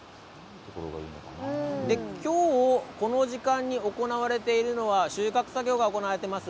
今日この時間に行われているのは収穫作業が行われています。